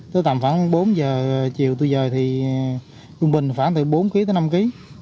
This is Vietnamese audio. tới tầm khoảng bốn giờ chiều tôi rời thì trung bình khoảng từ bốn năm kg